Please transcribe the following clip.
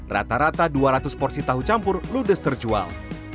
rata rata dua ratus porsi tahu campur ludes terjual